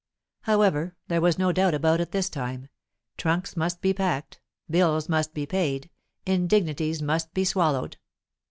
However, there was no doubt about it this time; trunks must be packed, bills must be paid, indignities must be swallowed.